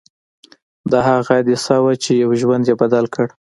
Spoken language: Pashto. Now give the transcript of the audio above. دا هغه حادثه وه چې يو ژوند يې بدل کړ.